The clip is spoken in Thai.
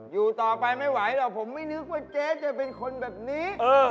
อยู่ต่อไปไม่ไหวหรอกผมไม่นึกว่าเจ๊จะเป็นคนแบบนี้